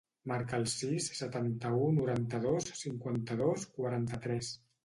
Marca el sis, setanta-u, noranta-dos, cinquanta-dos, quaranta-tres.